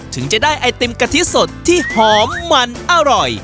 ถึงจะได้ไอติมกะทิสดที่หอมมันอร่อย